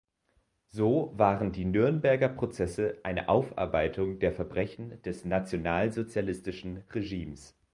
So waren die Nürnberger Prozesse eine Aufarbeitung der Verbrechen des nationalsozialistischen Regimes.